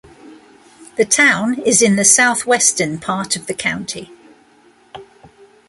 The town is in the southwestern part of the county.